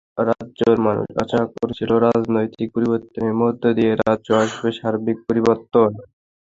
রাজ্যের মানুষ আশা করেছিল, রাজনৈতিক পরিবর্তনের মধ্য দিয়ে রাজ্যে আসবে সার্বিক পরিবর্তন।